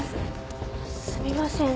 すみません。